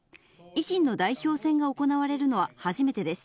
維新の代表選が行われるのは初めてです。